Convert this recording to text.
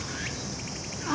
あ。